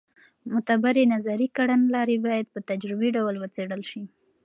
معتبرې نظري کړنلارې باید په تجربي ډول وڅېړل سي.